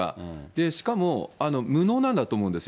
しかも無能なんだと思うんですよ。